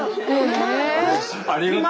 ありがとう。